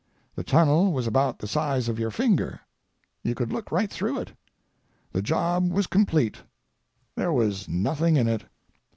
The tunnel was about the size of your finger. You could look right through it. The job was complete; there was nothing in it.